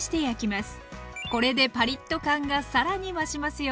これでパリッと感がさらに増しますよ。